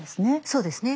そうですね。